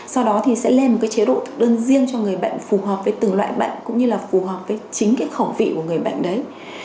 sau đó thì sẽ lên một cái chế độ thực đơn riêng cho người bệnh phù hợp với từng loại bệnh cũng như là phù hợp với chính cái khẩu vị của người bệnh đấy